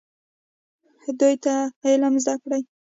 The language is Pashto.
دوی ته علم زده کړئ